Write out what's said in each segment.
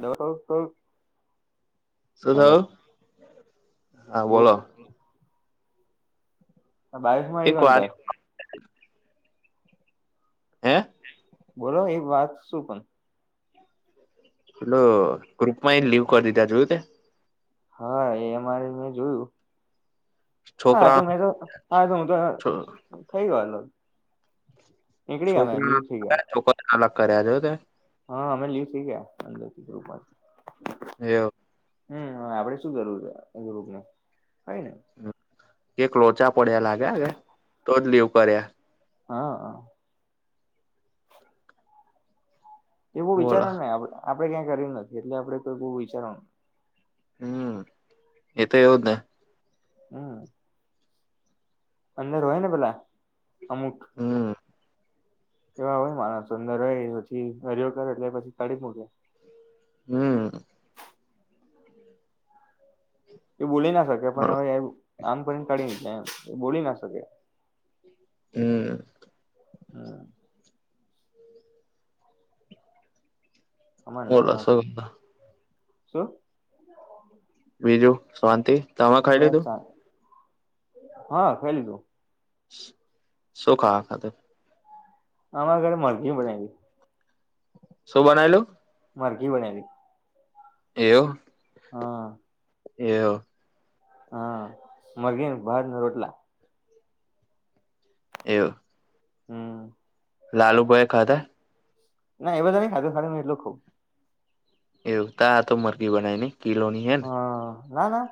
દ સો શું થ હા બોલ બોલો બાવસમા એક વાત કોનતાય હે બોલો એ વાત શું પણ એેલો ગ્રુપ માં એ લીવ કરી દીધા જોયું તે! હા એ અમારે મેં જોયું. હા છોકરા તું મે તો હા તું હું તો થઇ ગયો હતો. છોકરા છોકરીને અલગ કર્યા છે તે હા અમે લી થઈ ગયા અંદરથી ગ્રુપમાંથી હમ આપડે શું કરરૂવર છે ગ્રુપને હોય ને એક લોચા પડ્યા લાગ્યા કે તો જ લીવ કર્યા હા હા એ બવ બોલો વિચારવાનું નને આપણે ક્યાંય કર નથી એટલે આપડણે કોઈ બવુ વિચારવાનું હમ એ તો એવ જ ને હમ અંદર હોય ને પેલા અમુક હમ એવા હોય માણ સુંદર હોય પછી હરિયો કર એટલે પછી તળ મૂકે. હમ એ બોલી ના શકે પણ બોલો હવે આમ કરીને કાઢી એમ બોલી ના શકે. હમ હમ [unintelligible] અમાર બોલો નહી આવશે શું શું બીજું શાંતિ! તમે ખાઈ બસ લીધું સાર હા ખાઈ લીધું. શું ખાવા ખાતે? અમારા ઘરે મરધી બનાવી. શું બનાયલું? મારઘી બનાલી એવું! હા એવું. હા મરધી ભાત ને રોટલા. એવું. હમ લાલુ ભોયા ખાધાં? ના એ બધ ન ખાધો ખા એટલ ખુબ. એવું તા તો મરધી બનાય ને કિલોની હે ને! હા ના ના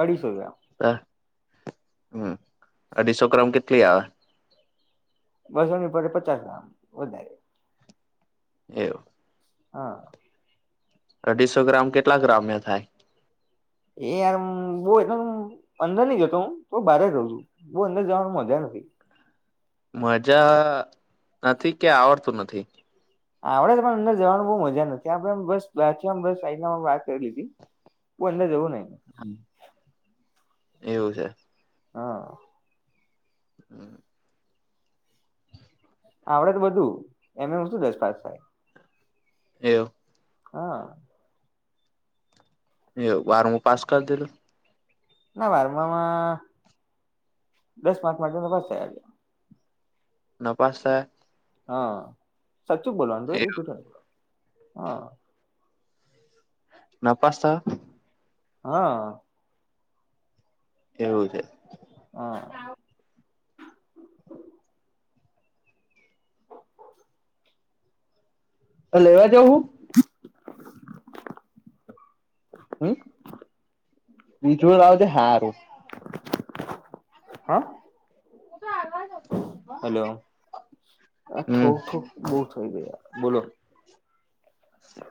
અઢીસો ગ્રામ. હ અઢીસો ગ્રામ કેટલી આવે? બસોની પડે પચાસ ગ્રામ વધારે. એવું. હા અઢીસો ગ્રામ કેટલા ગ્રામ થાય? એ યાર બહ અંદર નહી ગતો હું તો બહારે જું છું. બંધ જવાનું મજા નથી. મજા નથી કે આવડતું નથી? આપડે પણ અંદર જવાનું બહુ મજા ન નથી ત આપણે બસ બાકી બસ સાઈ વાત કરી લીધી કો એને જવું નહી. હ [unintelligible] એવું છે. હા હમ [unintelligible] હ આવડે તો બધું એમ હું શું દસ પાસ થાય. એવું. હા. એ બારંમુ પાસ કરી દીધુ. ના વારમામાં દસ માર્ચ માટે ફસે. ના પાાસશે! હા સાચું બોલોનું એવું. [unintelligible] હા ના પાસ્તા. હા એવું છે. હા લેવા જાવ હું. [unintelligible] હમ બીજું લાવજે હારું. [unintelligible] હ તો આગ [unintelligible] હલો આ હમ થોક થોક બહુ થઈ ગઈ બોલો.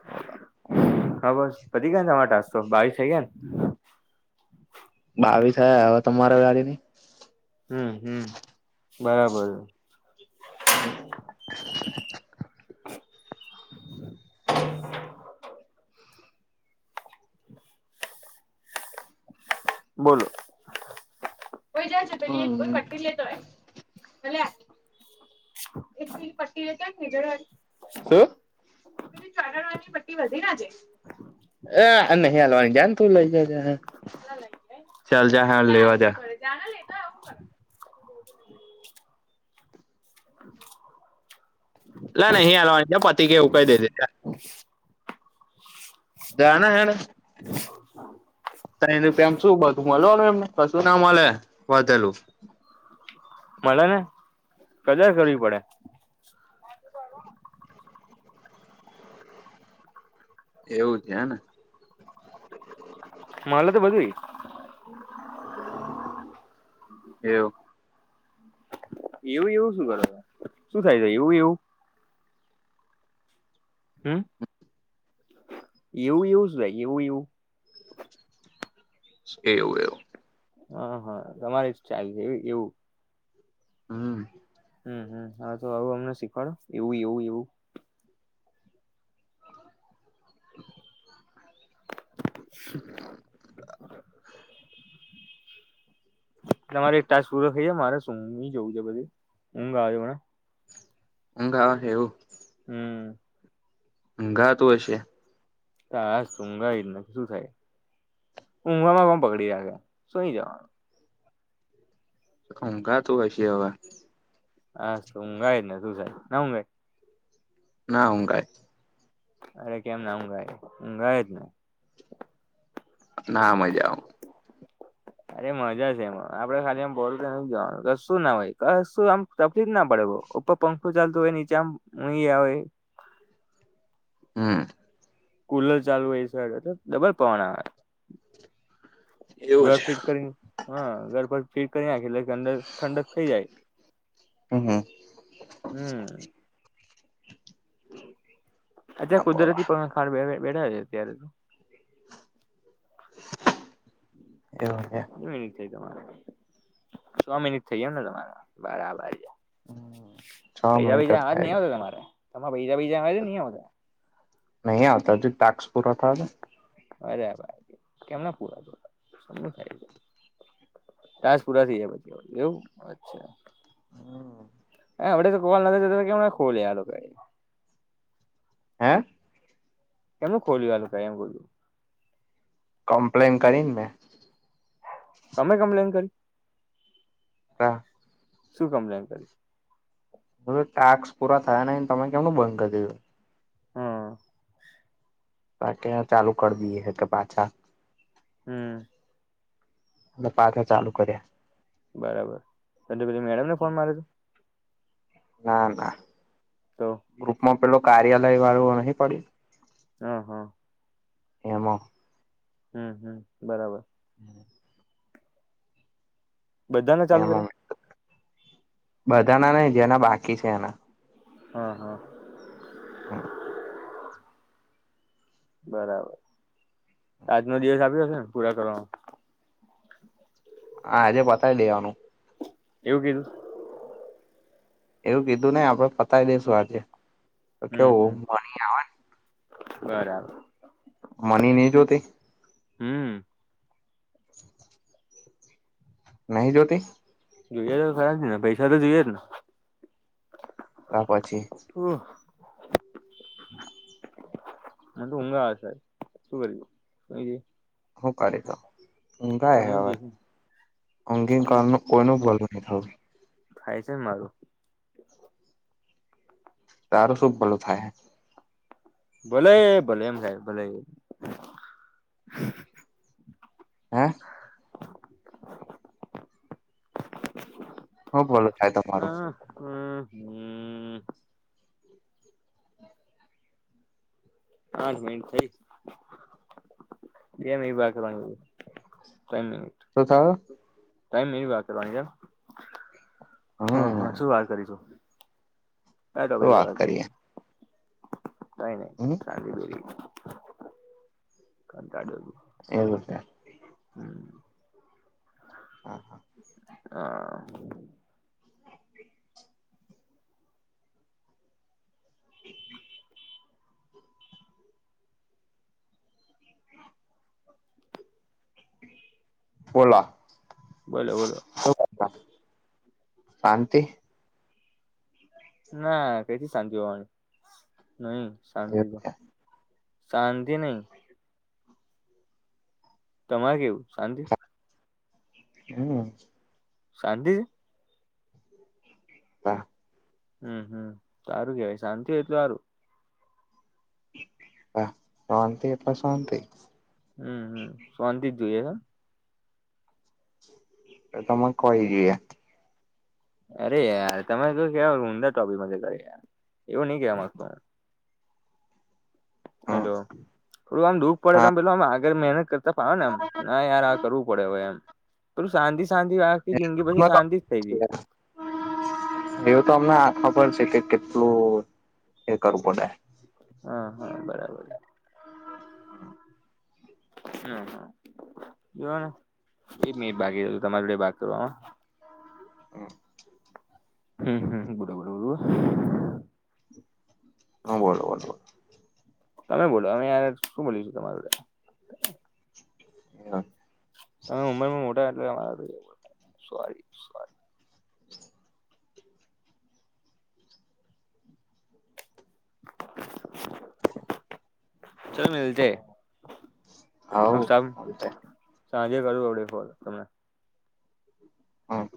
બોલો. હા બસ પતી ગયા ને તમા ટાસ્ક તો બાવી થઇ ગયા ને. બાવીસ થયા હવે તમારા ગાડી ની. હમ હમ બરાબર. [unintelligible] હમ [unintelligible] બોલો. [unintelligible] હમ [unintelligible] શું પેલી ચાડાણવાની પટ્ટી વધી ના છેે. હ નહી હાલવાની જને તું લઈ જજે. ચાલ જા હે લેવા જા. લ ના હ અલવા પતિ કે એ કઈ દે જે. જા ને હેર તને રૂપિયાનું શું બધું મલવાનુ એમને કશું ના મળે વધેલું. મલે ને કદર કરવી પડે. એવું છે એને માલે તો બધુઈ. એવું. એવું એવું શું કરેશ શું થાય છે એવું. હમ. એવું એવું શું થાય એવું એવું. શું કે એવું એવું. હ હા તમારે જ સ્ટાઈલ છે એવું. હમ. હમમ હા તો આવું અમને શીખવાડો એવું એવું એવું. [unintelligible] [inaudible] તમારે એક તાસ પૂરોથઈ જાય મારે શું છે બધી ઊઘ આવે મને. ઉગ આવે છે એેવું. હમ. ઉધાતું હશે. હાસ ઊઘા જ શું થાય ઊંઘા માં કો પકડી રાખે શુંઈ જવાનું. ઉઘાતું હશે હવે. અંગાયને તુંસારી નમ ઉગાય. ના હું કાય. અરે, કેમ ના ઊંઘાય ઊંઘાય જ ને. ના મજામાં. અરે મજા છે એમાં આપડે ખાલી આમ બોલ કે નહી જવાનું કશું ના હોય આમ. તકલીફ ના પડે ઉપર પંખું ચાલતું હોય નીચેહીયા આવેય. હમ. કુલર ચાલુ હોય છે ડબલ પવન આવે. એવું ઘર છે ફીટ કરીને હા ઘર પર ફીટ કરીને નાખી અંદર. ઠંડક થઈ હમ જાય, હમ. અત્યારે બોલો કુદરતી પણ ખાડે બેઠા છે, અત્યારે. એવું. પાચ મિનિટ થઈ, તેમા સો મિનિટ થઈ એમ ને તમારો બરાબર. છ પૈસાા મિનિટ જ બીજા આવેક થાય નહી છે આવતા? તમારે તમારે પૈસા બીજા આવજે નહીં આવતા. નહીં આવતા જ, ટાસ્ક પૂરા તો. અરે ભાઈ, કેમ ના પૂરા થયા? ટાસ્ક પુરા થઈ જાય, એવું અચ્છા. હમ. હ, હવડે તો કોલ નથી કેમ ખોલી યાર? હે. કેમનું ખોલ્યું? આ તો કાયમ ખો કમપ્લેન કરીને મેં. તમે કમ્પ્લેન કરી. હા. શું કમ્પ્લેન કરી? બસ, ટાક્સ પૂરા થયા નહીં. તમે કેમનું બંધ કરી દીધું? હા. કે ચાલુ કરી દઈએ હ, કે પાછા? હમ. અને પાછા ચાલુ કર્યા. બરાબ, ર એ પે મેડમ ને ફોન મારે તું. ના, ના. તો. ગ્રુપમાં પેલો કાર્યાલય વાળું નહી પડ્યું. હ, હા. એમો. હમ, હમ, બરાબર. હમ. બધાને ચાલુ કરે એમાં બધાના ને, જેના બાકી છે એના. હા, હા. હા. બરાબર, આજનો દિવસ આપ્યો હશે ને પૂરા કરવાનો. હા, આજે પતાવી લેવાનું. એવું કીધું. એવું કીધું ને, આપડે પતાવી દઈશું આજે. તો હમ, કેવું હમ, બરાબર. મની નહીં જોતી. હમ. [unintelligible] નહી જો્યોતી? જોઈએ તો ખરાબ ને પૈસા તો જોઈએ જ ને. ત પછી. ઓ. મ હંગશે શું કરીરી? હું કી દ હું કાય હ હુઈ હવે. [unintelligible] જઈશ અંગીન કારણ કોનો બલ ન થાય. થાય છે ને, મારું. તારું શું ભલું થાય? ભોલે ભોલે, એમ સાહે ભોલે. હા. હ, બોલો. હા હમ હમ. પાઠ મિ થઈ. એમ એ કરવા મિ. [unintelligible] તો થ. ટાઈમ મેરી વાત કરવાવાની ાર. [unintelligible] હા હા હમ શું વાર કરીશું શું વાત વા. [unintelligible] કરીએ નહી નહી. હમ. કતાડોરી. [unintelligible] એ રૂપિયા. [unintelligible] હમ. હા હા. હા. [inaudible] બોલા. બોલો બોલો. શું કરો, સાંતી? ના કથી શાંતિ હોવાની, નહી શાંતિ એવું તો. છે શાંત નહી. તમારે કેવું શાંતિ? હમ. શાંતિ? હા. હમ હમ સારું કેવાય શાંતિ હોય તો સારું. હા શાંતિ એપ શાંતિ. હમ હમ શાંતિ જ જોઈએ હ. તો તમે કહી જ એ. અરે યાર તરે ક કેવાય ઉમદા ટોપી મ કર એવું નહી કેવા માંગતો. હમ હેલો, થોડું આમ દુઃખ પડે હા તમ પે આગળ મહેનત કરતા ફાવ નેમ ય કરવું પડે હય, એમ પેલું શાંતિ સાાંતી વાખ જિંદગી પછી શાંતિ જ થઈ ગઈ. એવું તો અમને હાથમાં પણ છે કે કેટલું એ કરવું પડે. હા હા બરાબર. હ જોવા ને એક મે બાકી જ તમારી જોડે ભાગ કરવામાં? હ. હમ્મ, હમ્મ બરાબર હા, બોલો બોલો તમે બોલો અમે યાર શું બોલીશું [unintelligible] હા. તમે ઉંમરમાં મોટા એટલે અહ સોરી સોરી ચાલો મળીએ આવું સાંજે કરું અવડે કોલ તમને હા.